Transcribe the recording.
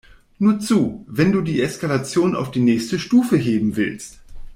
Nur zu, wenn du die Eskalation auf die nächste Stufe heben willst.